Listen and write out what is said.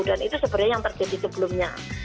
dan itu sebenarnya yang terjadi sebelumnya